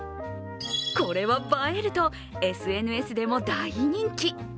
これは映えると、ＳＮＳでも大人気。